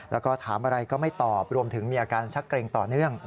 แล้วก็ถามอะไรก็ไม่ตอบรวมถึงมีอาการชักเกรงต่อเนื่อง